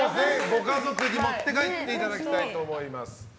ご家族に持って帰っていただきたいと思います。